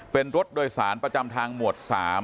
เป็นรถโดยสารประจำทางหมวด๓